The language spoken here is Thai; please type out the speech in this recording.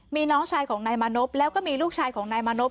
มีน้องชายของนายมานพแล้วก็มีลูกชายของนายมานพ